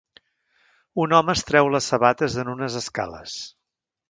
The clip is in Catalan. Un home es treu les sabates en unes escales